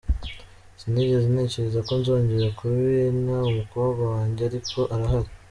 Sinigeze ntekereza ko nzongera kubina umukobwa wanjye ariko arahari.